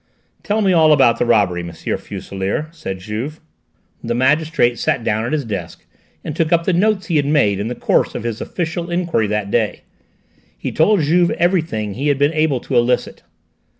"Tell me all about the robbery, M. Fuselier," said Juve. The magistrate sat down at his desk and took up the notes he had made in the course of his official enquiry that day. He told Juve everything he had been able to elicit.